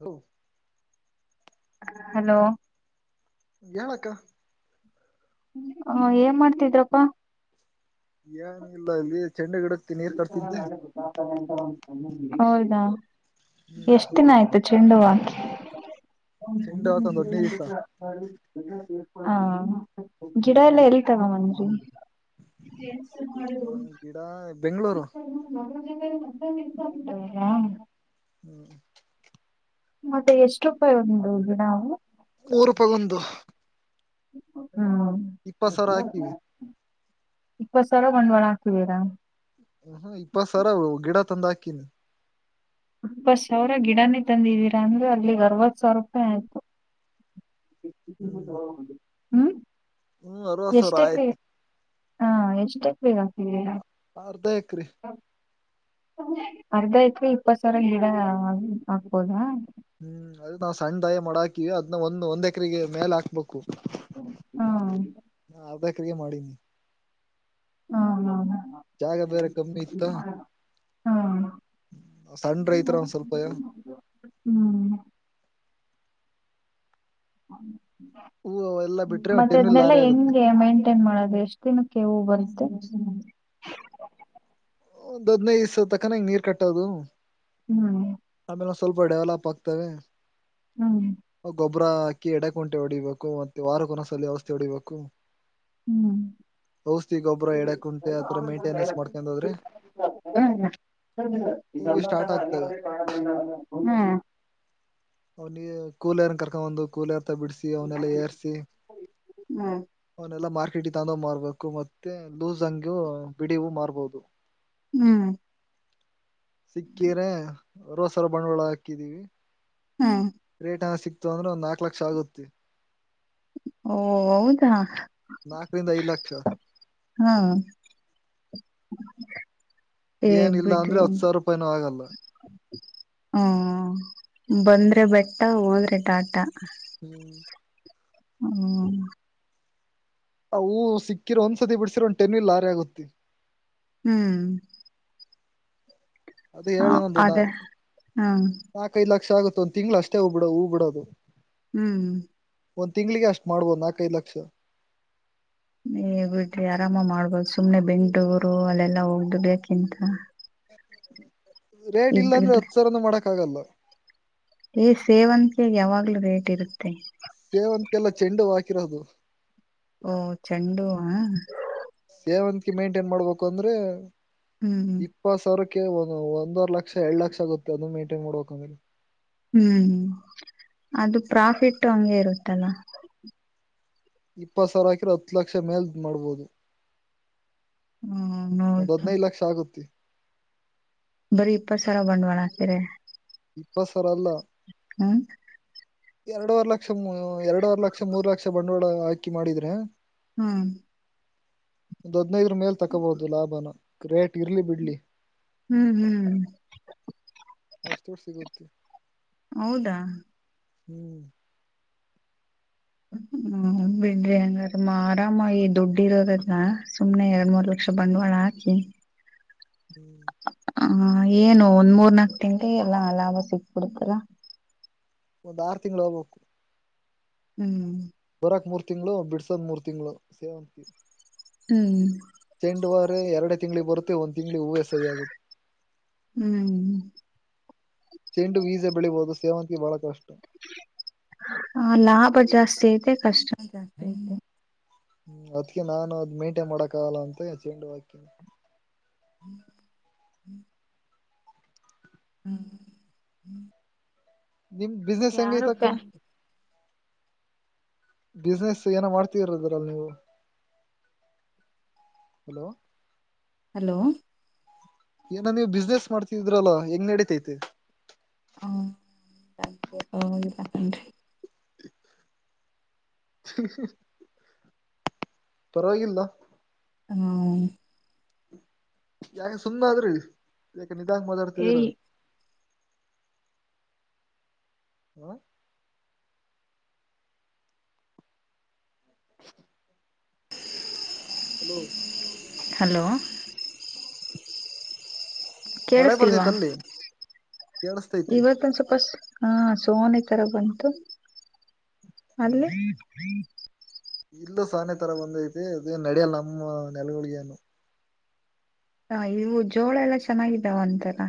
ಹ ಹಲೋ ಯಳಕ್ಕ ಹ ಏನ್ ಮಾಡ್ತಿದ್ರಪ್ಪಾ ಏನು ಇಲ್ಲ ಇಲ್ಲಿ ಚೆಂಡೆ ಗಿಡಕ್ಕೆ ನೀರ್ ಇಲ್ಲ ಕಟ್ತಿದ್ದೆ ನಾಳೆತಂತಂದ ಹೌದಾ ಹ್ಮ್ ಎಷ್ಟ ದಿನ ಆಯ್ತು ಚೆಂಡ ಹೂವ ಹಾಕಿ ಚೆಂಡು ಆತ ಒಂದ್ ಹದ್ನೈದು ದಿವ್ಸ ಹಾ ಗಿಡ ಎಲ್ಲಾ ಎಲ್ಲಿ ತಗೊಂಬಂದ್ರಿ ಎಸ ಹ ಗಿಡ ಬೆಂಗಳೂರು ಹ್ಮ್ ಮತ್ತೆ ಎಷ್ಟ ರೂಪಾಯಿ ಉಂದು ನಾವು ಮೂರು ರೂಪಾಯಿಗೊಂದು ಹ್ಮ ಹ ಇಪ್ಪ ಸಾವಿರ ಹಾಕಿವವಿ ಇಪ್ಪತ್ ಸಾವಿರ ಒಂಡ್ವಾಳ ಹಾಕಿದೀರಾ ತಂದಕನು ಇಪ್ಪತ್ ಸಾವಿರ ಗಿಡನೇ ತಂದಿವೀರಾ ಅಂದ್ರೆ ಅಲ್ಲಿಗೆ ಅರವತ್ ಸಾವಿರ ರೂಪಾಯಿ ಆಯ್ತು ಹ್ಮ್ ಹ ಹ್ಮ ಹ್ಮ್ ಆರವತ್ತು ಸಾವಿರ ಆಯ್ತು ಹಾ ಎಷ್ಟುಕ್ ಎಕ್ರೆ ಹಾಕಿದ್ದೀರ ಅರ್ಧಾ ಎರೆ ಅರ್ಧಎಕರೆ ಇಪ್ಪತ್ ಸಾವಿರ ಗಿಡ ಆಗ್ಬೋದಾ ಹ್ಮ್ ಅದು ನಾವವು ಸಣ್ಣದಾಯ ಮಾಡಾಕಿವವಿ ಅದ್ನ್ನ ಒಂದಂದು ಒಂದ್ ಎಕರೆಗೆ ಮೇಲೆ ಹಾಕ್ಬೇಕು ಹಾ ಯದ ಕ್ರಿಯೆ ಮಾಡೀನಿ ಹಾ ಹಾ ಜಾಗ ಬೇರೆ ಕಮ್ಮಿ ಇತ್ತ ಹಾ ಸಣ್ರ ರೈತರು ಒಂದ ಸ್ವಲ್ಪಯ ಹ್ಮ್ ಹ್ಮ ಹೂ ಎಲ್ಲಾ ಬಿಟ್ರೆ ಮತ್ತೆ ಟೆನ್ ಅದ್ನ್ನಲ್ಲಾ ಲಾರಿ ಆಗುತ್ತೆ ಹೆಂಗೆ ಮೈಂಟೈನ್ ಮಾಡೋದು ಎಷ್ಟ ದಿನಕ್ಕೆ ಹೂವು ಬರ್ ಒಂದು ಅದಿನೈದು ದಿವಸ ತಕ್ಕ ನೀರ್ ಕಟ್ಟೋದು ಹ್ಮ್ ಆಮೇಲೆ ಸ್ವಲ್ಪ ಡೆವಲಪ್ ಆಗ್ತವೆ ಹ್ಮ್ ಒಬರಾಕಿ ಎಡೆಕ ಕುಂಟೆ ಹೊಡಿಬೇಕು ಮತ್ತೆ ವಾರ ಕೊನಸಲ್ಲಿ ವ್ಯಸ್ಥೆ ಹೊಡಿಬೇಕು ಹ್ಮ್ ಔಷಧಿ ಗೊಬ್ಬರ ಆ ಎಡೆಕುಂಟೆ ಆತರ ಸ ಮೇಂಟೆನೆನ್ಸ್ ಮಾಡ್ಕೊಂಡ್ ಹೋದ್ರೆ ಸ ಈ ಹೂವು ಸಂಬಂಧ ಸ್ಟಾರ್ಟ್ ಅಲ್ಲಿವ ಆಗ್ತವೆ ಕಾಣ ಒಲಿಯೇ ಕುಲರ್ ಕರ್ಕೊಂಡು ಬಂದು ಕುಲರ್. ಬಿಡಿಸಿ ಅವನ್ನೆಲ್ಲ ಏರಿಸಿ ಹ್ಮ್ ಅವಲ್ಲನ್ನೆಲ್ಲ ಮಾರ್ ಟಿಟಿ ತಂದು ಮಾರರ್ಬೇಕು ಮತ್ತೆ ಲೂಸ್ ಅಂಗು ಬಿಡಿವೂ ಮಾರಬಹುದು. ಹ್ಮ್ ಸಿಕ್ಕಿರ ರೋಸರ ಬಂಡವಾಳ ಹಾಕಿದೀವಿ. ಹಾ ರೇಟ್ ಹ ಸಿಕ್ತ್ ಅಂದ್ರೆ ಒಂದ್ ನಾಕು ಲಕ್ಷ ಆಗುತ್ತೆ. ಓ ಹೌದಾ ನಾಕರಿಂದ ಐದು ಲಕ್ಷ. ಹಾ ಹೇನು ಏನಿಲ್ಲ ಅಂದ್ರೆ ಬಿಡ್ರಿ. ಹತ್ ಸಾವಿರ ರೂಪಾಯಿನೂ ಆಗಲ್ಲ ಹ ಬಂದ್ರೆ ಬೆಟ್ಟ ಹೋದ್ರೆ ಟಾಟ. ಹ್ಮ್ ಹ್ಮ್ ಆ ಹೂ ಸಿಕ್ಕಿರೋ ಒಂದ್ಸತಿ ಬಿಡ್ಸಿರೋ ಒಂದ ಟೆನ್ಲ್ ಲಾರಿ ಆಗತ್ತೀ. ಹ್ಮ್ ಅದೇ ಹೇಳ್ದೆ ನಂದು ನ ಅದೇ ಹಾ ನಾಕೈಲ್ಲ. ಯಕ್ಷ ಆಗುತ್ತೆ ಒಂದು ತಿಂಗ್ಳ ಅಷ್ಟೇ ಹೂ ಬಿಡದು ಹೂ ಬಿಡದು. ಹ್ಮ್ ಒಂದ್ ತಿಂಗ್ಳಿಗೆ ಅಷ್ಟ್ ಮಾಡ್ಬೋದು ನಾಕೈದು ಲಕ್ಷ. ನೀ ಬಿಡ್ರಿ ಆರಾಮ ಮಾಡ್ಬೋದು ಸುಮ್ನೆ ಬೆಂಗಳೂರು ಅಲ್ಲೆಲ್ಲಾ ಹೋಗಿ ದುಡಿಯೊಕ್ಕಿಂತ. [inaudible] ರೇಟ್ ಇಲ್ಲ ಅಂದ್ರೆ ಹತ್ತುಸಾವಿರನು ಮಾಡಕ್ ಆಗಲ್ಲ. ಏ ಸೇವಂತಿಕೆಗೆ ಯಾವಾಗ್ಲೂ ರೇಟ್ ಇರುತ್ತೆ. ಸೇವಂತಕೆ ಅಲ್ಲ ಚೆಂಡುಹೂವ ಹಾಕಿರೋದು. ಓ ಚೆಂಡುಹೂವನ. ಸೇವಂತಿಗೆ ಮೇಂಟೇನ್ ಮಾಡ್ಬೇಕು ಅಂದ್ರೆ ಹ್ಮ್ ಇಪ್ಪತ್ ಸಾವಿರಕ್ಕೆ ಒಂದವರ್ ಲಕ್ಷ ಎರಡ್ ಲಕ್ಷ ಆಗುತ್ತೆ ಅದ ಮೈಂಟೈನ್ ಮಾಡ್ಬೇಕಂದ್ರೆ. ಹ್ಮ್ ಅದು ಪ್ರಾಫಿಟ್ ಹಂಗೆ ಇರುತ್ತಲ್ಲ. ಇಪ್ಪತ್ ಸಾವಿರ ಹಾಕಿರ ಹತ್ತು ಲಕ್ಷ ಮೇಲ್ ಮಾಡ್ಬೋದು. ಹ್ಮ್ ಒಂದು ನೋಡ್ತು ಹದಿನೈದುಲಕ್ಷ ಆಗುತ್ತೆ. ಬರೀ ಇಪ್ಪತ್ತು ಸಾವಿರ ಬಂಡವಾಳ ಹಾಕಿರೆ. ಇಪ್ಪತ್ತು ಸಾವಿರ ಅಲ್ಲ. ಹ್ಮ್ ಎರಡುವರ್ ಲಕ್ಷ ಎರಡುವರ್ ಲಕ್ಷ ಮೂರ್ ಲಕ್ಷ ಬಂಡವಾಳ ಹಾಕಿ ಮಾಡಿದ್ರೆ. ಹ್ಮ ಒಂದು ಹದಿನೈದುರೂ ಮೇಲೆ ತಕೋಬಹುದು ಲಾಭನ ರೇಟ್ ಇರ್ಲಿ ಬಿಡ್ಲಿ. ಹ್ಮ್ ಹ್ಮ್ ಔಷಧಿ ಸಿಗುತ್ತೆ. ಹೌದಾ ಹ್ಮ್ ಹ್ಮ [unintelligible] ಹ್ಮ್ ಬಿಡ್ರಿ ಹಂಗ್ರ ಆರಾಮಾಗಿ ದುಡ್ಡು ಇರೋದನ್ನ ಸುಮ್ನೆ ಎರಡ್ ಮೂರ್ ಲಕ್ಷ ಬಂಡವಾಳ. ಹಾಕಿ ಹ್ಮ್ ಹ ಏನು ಒಂದ್ ಮೂರ್ನಾಕು ತಿಂಗಳಿಗೆ ಎಲ್ಲಾ ಲಾಭ ಸಿಕ್ಕ್ ಬಿಡುತ್ತಲ್ಲ. ಒಂದ್ ಆರು ತಿಂಗಳು ಹೋಗ್ಬೇಕು. ಹ್ಮ್ ಬರಾಕ್ ಮೂರ್ ತಿಂಗಳು ಬಿಡ್ಸದ್ ಮೂರ್ ತಿಂಗಳು ಸೇವಂತಿಗೆ. ಹ್ಮ್ ಚೆಂಡುವಾರ ಎರಡು ತಿಂಗಳಿಗೆ ಬರುತ್ತೆ ಒಂದ್ ತಿಂಗಳಿಗೆ ಹೂವ ಸರಿ ಆಗುತ್ತೆ. ಹ್ಮ್ ಚಂಡು ಈಜಿ ಬೆಳಿಬಹುದು. ಸೇವಂತಿ ಬಹಳ ಕಷ್ಟ. ಹ ಲಾಭ ಜಾಸ್ತಿ ಐತೆ, ಕಷ್ಟ ಜಾಸ್ತಿ ಐತೆ, ಹ್ಮ ಅದ್ಕ ನಾನು ಅದ್ ಮೇಂಟೆ ಮಾಡಕ ಆಗಲ್ಲ ಅಂತ ಚೆಂಡುವ್ ಹಾಕನಿ. [inaudible] ಹ್ಮ್, ಹ್ಮ ನಿಮ್ದ ಬಿಸ್ನೆಸ್ ಹೆಂಗ ಐತಿ ಅಕ್ಕ, ಬಿಸ್ನೆಸ್ ಏನೋ ಮಾಡ್ತೀರದ್ರಲ್ಲಿ ನೀವು, ಹಲೋ, ಹಲೋ, ಏನ ನೀವು ಬಿಸ್ನೆಸ್ ಮಾಡ್ತಿದ್ರಲ್ಲ ಹೆಂಗ್ ನಡೀತೈತೆ, ಹ್ಮ [unintelligible] [inaudible] [inaudible] ಪರವಾಗಿಲ್ಲ, ಹ್ಮ್, ಯಾಕ ಸುಮ್ನ ಆದ್ರಿ ಯಾಕ ನಿದಾಂನಕ ಮಾತಾಡ್ತಿದಿರಾ. ಹಾ [inaudible] [inaudible] ಹಲೋ, ಹಲೋ, ಮಳೆ ಕೇಳಸ್ತಿಲ್ವಾ, ಬರ್ತೈತ್ ಅಲ್ಲಿ ಕೇಳಸ್ತೈತಿ ಇವತ್ತ ಒಂದ ಸ್ವಲ್ಪ ಹಾ ಸೋನೆ ತರ ಬಂತು. ಅಲ್ಲಿ, ಇಲ್ಲೂ ಸಾನೆ ತರ ಬಂದೈತಿ ಅದ ನಡೆಯಲ್ಲ ನಮ್ಮ ನೆಲಗಳಿಗೆನು. ಹ ಇವು ಜೋಳ ಎಲ್ಲಾ ಚೆನ್ನಾಗಿದ್ದಾವ ಅಂತಲ.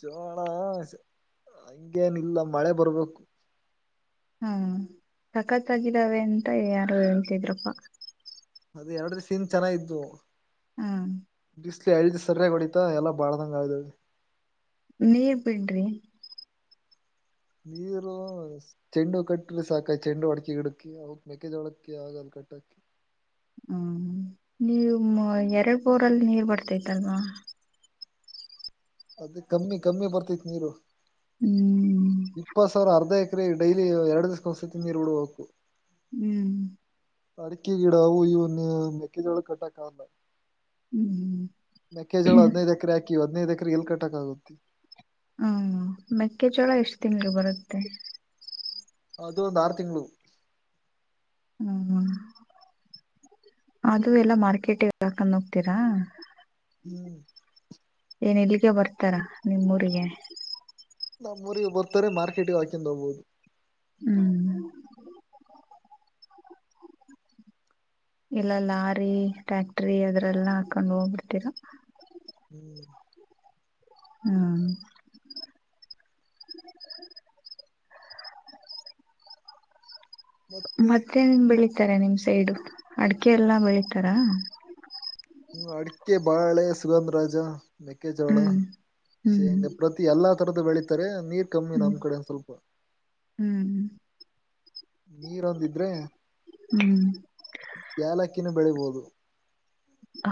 ಜೋಳ ಹಂಗೇನಿಲ್ಲ ಮಳೆ ಬರ್ಬೇಕು, ಹ್ಮ ಸಖತ್ತಾಗಿದ್ದಾವೆ ಅಂತ ಯಾರು ಹೇಳ್ತಿದ್ರಪ್ಪಾ, ಅದ ಎರಡ್ ಸಿಂದ್ ಚೆನ್ನಾಗ್ ಇದ್ವು. ಹ್ಮ. ಇಸ್ಲಿ ಎಳ್ದ ಸರಿಯಾಗಿ ಹೊಡಿತಾ ಎಲ್ಲ ಬಾಡ್ದಂಗ ಆಗ್ಗ್ವೆ. ನೀರ್ ಬಿಡ್ರಿ, ನೀರು ಚೆಂಡುವು ಕಟ್ರಿ ಸಾಕ ಚೆಂಡು ಅಡಕ್ಕಿ ಗಿಡಕ್ಕೆ ಅವಕ್ ಮೇಕಜೋಳಕ್ಕೆ ಆಗಲ್, [inaudible] [inaudible] ಹ್ಮ ನೀವು ಎರಡ್ ಬೋರಲ್ಲಿ ನೀರ್ ಬರ್ತೈತಲ್ವಾ, ಅದ ಕಮ್ಮಿ ಕಮ್ಮಿ ಬರ್ತೇತಿ ನೀರು. ಹ್ಮ್, ಇಪ್ಪತ್ ಸಾವಿರ ಅರ್ಧ ಎಕ್ರ ಡೈಲಿ ಎರಡು ದಸತಿ ನೀರ ಬಿಡ್ಬೇಕು. ಹ್ಮ್ ಅಡಿಕೆ ಗಿಡ ಅವು ಇವನ್ ಮೆಕ್ಕೆಜೋಳ ಕಟ್ಟಕ ಆಲ್, ಹ್ಮ್ ಮೇಕೇಜೋಳ ಹದ್ನೈದು ಎಕರೆ ಹಾಕಿವಿ ಹದಿನೈದು ಎಕರೆ ಎಲ್ ಕಟ್ಟಕ ಆಗುತ್ತೆ. ಹ್ಮ ಮೆಕ್ಕೆಚೋಳ ಎಷ್ಟು ತಿನ್ಗಳು ಬರುತ್ತೆ, ಅದು ಒಂದು ಆರು ತಿಂಗಳು, ಹ್ಮ್, ಅದು ಎಲ್ಲಾ ಮಾರ್ಕೆಟ್ಗೆ ಹಾಕೊಂಡ್ ಹೋಗ್ತೀರಾ, ಹ್ಮ್ ಏನ್ ಇಲ್ಲಿಗೆ ಬರ್ತಾರ ನಿಮ್ಮೂರಿಗೆ, ನಮ್ಮೋರಿಗೆ ಬರ್ತಾರೆ ಮಾರ್ಕೆಟಿಗೆ ಹಾಕ್ಯನಂದ್ ಹೋಗ್ಬಹುದು. ಹ್ಮ್. ಇಲ್ಲ ಲಾರಿ, ಟ್ಯಾಕ್ಟ್ರಿ, ಅದ್ರೆಲ್ಲ ಹಾಕೊಂಡ್ ಹೋಗ್ಬಿಡ್ತೀರ. ಹ್ಮ್, ಹ್ಮ್ ಮತ್ತೆ ನಿನ್ ಬೆಳಿತಾರೆ ನಿಮ್ ಸೈಡ್ ಅಡ್ಕೆ ಎಲ್ಲಾ ಬೆಳಿತಾರ ಹ್ಮ ಅಡಿಕೆ ಬಾಳೆ ಸುಗಂಧ ರಾಜ ಮೆಕ್ಕೆಜೋಳ ಹ್ಮ್ ಹ್ಮ್ ಶೇಂಗ ಪ್ರತಿ ಎಲ್ಲಾ ತರದ ಬೆಳಿತಾರೆ ನೀರು ಕಮ್ಮಿ ಹ್ಮ್ ನಮ್ ಕಡೆ ಸ್ವಲ್ಪ ಹ್ಮ್ ನೀರೊಂದಿದ್ರೆ ಹ್ಮ್ ಯಾಲಕ್ಕಿನ ಬೆಳಿಬೋುದು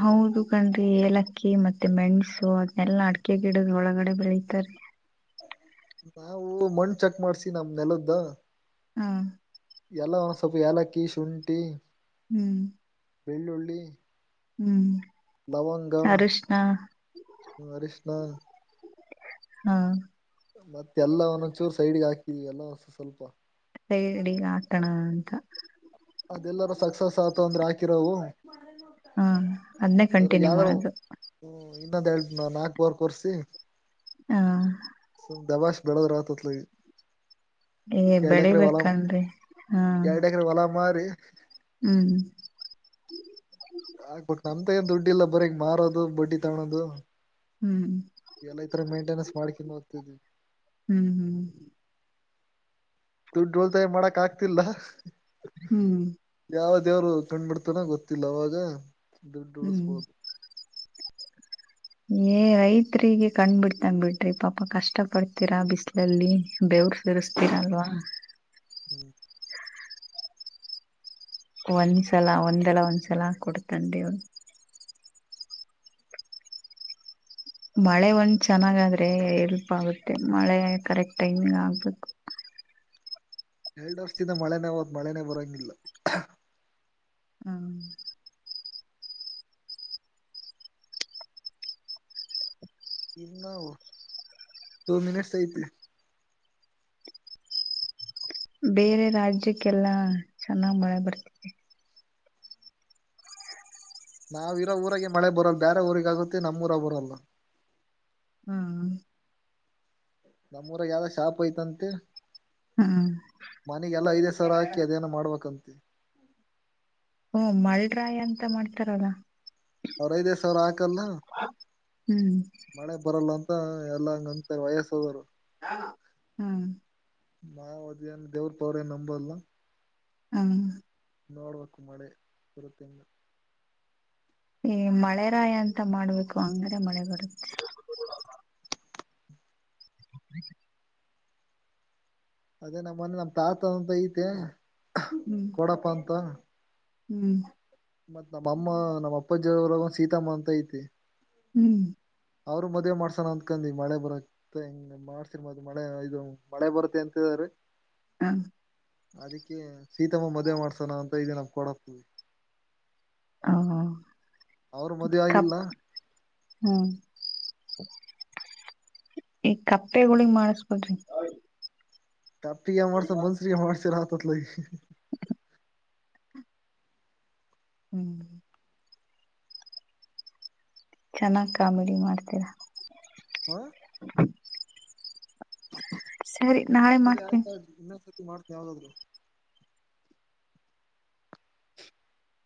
ಹೌದು ಕಣ್ರಿ ಏಲಕ್ಕಿ ಮತ್ತೆ ಮೆಣ್ಸು ಅದನೆಲ್ಲಾ ಅಡಿಕೆ ಗಿಡದ ಒಳಗಡೆ ಬೆಳತಾರೆ [unintelligible] ನಾವು ಮಣ ಚೆಕ್ ಮಾಡ್ಸಿ ನಮ್ ನೆಲದ್ದ ಹಾ ಎಲ್ಲ ಸ್ವಲ್ಪ ಇಲಕ್ಕಿ ಶುಂಠಿ ಹ್ಮ್ ಬೆಳ್ಳುಳ್ಳಿ ಹ್ಮ್ ಲವಂಗ ಅರಶಿನ ಅರಿಶಿಣ ಹಾ ಮತ್ತೆಲ್ಲ ಒಂದೊಂದುಚೂರು ಸೈಡ್ಗೆ ಹಾಕಿದೀವಿ ಏನೋ ಸ್ವಲ್ಪ ಡಿ [unintelligible] ಆಕೋಣ ಅಂತ ಅದೆಲ್ಲಾರೂ ಸಕ್ಸಸ್ ಆತ ಅಂದ್ರೆ ಹಾಕಿರೋವು ಹ ಅದನ್ನೇ ಅದರಾಗ ಕಂಟಿನ್ಯೂ ಯಾವ್ದೋ ಮಾಡೋದು ಹ್ಮ ಇನ್ನೊಂದ್ ಎೇಳ್ತ ನ ನಾಲ್ಕ ವರ್ ಕರ್ಸಿ ಹಾ ದಬಾಶ್ ಬೇಳುದ್ರಾ ಆತ ಅತ್ಲಾಗ ಏ ಬೇಳಿಬೇಕ್ ಕಂಡ್ರಿ ಹಾ ಎರಡ್ ಎಕರೆ ಹೊಲ ಮಾರಿ ಹ್ಮ್ ಆಗ್ಬಟ್ು ನಮ್ದ ಏನ್ ದುಡ್ಡಿ ಇಲ್ಲ ಬರೀಗ್ ಮಾರೋದು ಬಡ್ಡಿ ತಗ್ನೊನೋದು ಹ್ಮ್ ಎಲ್ಲ ಈತರ ಮೇಂಟೆನೆನ್ಸ್ ಮಾಡ್ಕಂತ ಹೋಗ್ತತಿದಿವೀ ಹ್ಮ್ ಹ್ಮ್ ದುಡ್ಡು ಉಳಿತಾಯ ಮಾಡಕ್ ಆಗ್ತಿಲ್ಲ ಹ್ಮ್ ಯಾವ ದೇವ್ರು ಕಣ್ ಬಿಡ್ತಾನ ಗೊತ್ತಿಲ್ಲ ಅವಾಗ ದುಡ್ಡು ಹ್ಮ್ ಉಳಿಸಬೋದು ಏ ರೈತರಿಗೆ ಕಣ್ ಬಿಡ್ತನಾ ಬಿಡ್ರಿ ಪಾಪ ಕಷ್ಟ ಪಡ್ತೀರಾ ಬಿಸಲಲ್ಲಿ ಬೆೇವರು ಸುರುಸ್ತಿರಲ್ವಾ ಹ್ಮ್ [inaudible] ಒಂದ್ಸಲ ಒಂದೆಲ ಒಂದ್ಸಲ ಕೊಡ್ತಾನ ದೇವರು ಮಳೆ ಒಂದ್ ಚೆನ್ನಾಗಾದ್ರೆ ಎಲ್ಪ್ ಆಗುತ್ತೆ ಮಳೆ ಕರೆಕ್ಟ್ ಟೈಮಿಂಗ ಆಗ್ಬೇಕು [unintelligible] ಎರಡು ವರ್ಷದಿಂದ ಮಳೆನೇ ಹೋತ ಮಳೆನೇ ಬರೋಂಗಿಲ್ಲ ಹ್ಮ್ ಇನ್ನುವು ಟು ಮಿನಿಟ್ಸ್ ಐತಿ ಬೇರೆ ರಾಜ್ಯಕ್ಕೆಲ್ಲಾ ಚೆನ್ನಾಗ ಮಳೆ ಬರ್ತಿದೆ ನಾವ್ ಇರೋ ಊರಗೆ ಮಳೆ ಬರಲ್ಲ ಬೇರೆ ಊರಿಗೆ ಆಗುತ್ತೆ ನಮ್ಮೂಊರಗ ಬರಲ್ಲ ಹ್ಮ್ ನಮ್ಮೂಊರಾಗ ಯಾವ್ದ ಶಾಪ ಐತಂತೆ ಹಾ ಮನೆಗೆಲ್ಲ ಐದೈದು ಸಾವಿರ ಹಾಕಿ ಅದೇನ ಮಾಡ್ಬೇಕಂತ ಹ್ಮ ಮಳರಾಯ ಅಂತ ಮಾಡ್ತಾರಲ್ಲ ಅವ್ರ ಐದೈದು ಸಾವಿರ ಹಾಕಲ್ಲ ಹ್ಮ್ ಮಳೆ ಬರಲ್ಲ ಅಂತ ಎಲ್ಲ ಹಂಗ ಅಂತರಾ ವಯಸ್ಸಾದರೂ ಹ್ಮ್ ಮಾಯವಾದೀ ದೇವ್ರ ಪೋರೆ ನಂಬಲ್ಲ. ಹ್ಮ. ನೋಡ್ಬೇಕು ಮಳೆ ಬರುತ್ತೆ ಇನ್ನ. ಈ ಮಳೆ ರಾಯ ಅಂತ ಮಾಡ್ಬೇಕು ಅಂದ್ರೆ ಮಳೆ ಬರುತ್ತೆ. [unintelligible] ಅದೇ ನಮ್ಮನೆ ನಮ್ ತಾತಂತ ಐತೆ ಹ್ಮ್ ಕೊಡಪ್ಪ ಅಂತ. ಹ್ಮ್. ಮತ್ ನಮ್ಮಅಮ್ಮ ನಮ್ಮ ಅಪ್ಪಾಜಿ ಅವ್ರ ಊರಾಗ ಸೀತಮ್ಮ ಅಂತ ಐತಿ. ಹ್ಮ್. ಅವ್ರು ಮದ್ವೆ ಮಾಡ್ಸಣ ಅಂದ್ಕೊಂಡು ಮಳೆ ಬರತ್ತ ಹೆಂಗ್ ಮಾಡ್ಸಿರ ಮದ್ ಮಳೆ ಇದು ಮಳೆ ಬರುತ್ತೆ ಅಂತ [unintelligible] [unintelligible] ಅದಕ್ಕೆ ಸೀತಮ್ಮ ಮದ್ವೆ ಮಾಡ್ಸೋಣ ಅಂತ ಇದೆ ನಮ್ಮ ಕೂಡ ಹ ಮದ್ವೆ ಕಪ್ ಆಗಿಲ್ಲ ಹ. ಈ ಕಪ್ಪೆಗೊಳ್ಗೆ ಮಾಡಿಸಿ ಬಿಡ್ರಿ. ಕಪ್ಪಿಗೆ ಏನ್ ಮಾಡ್ಸೋದ ಮನುಷ್ಯರಿಗೆ ಮಾಡ್ಸಿರ ಆತದಲಾ ಈಗ ಹ್ಮ್. ಚೆನ್ನಾಗ್ ಕಾಮಿಡಿ ಮಾಡ್ತೀರಾ. ಹಾ. ಸರಿ ನಾಳೆ ಮಾಡ್ತೇನೆ. ಯಾವಾಗ್ರಿ? [inaudible]